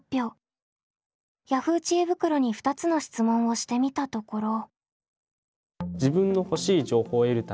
Ｙａｈｏｏ！知恵袋に２つの質問をしてみたところ。